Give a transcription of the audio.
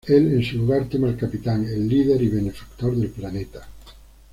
Él en su lugar teme al Capitán, el líder y benefactor del planeta.